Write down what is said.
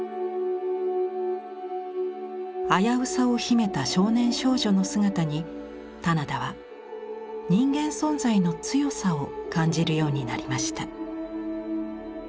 危うさを秘めた少年少女の姿に棚田は人間存在の強さを感じるようになりました。